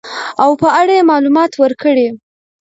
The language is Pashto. او په اړه يې معلومات ورکړي .